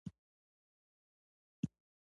د پلورنځي سامانونه باید په ترتیب کې ایښي وي.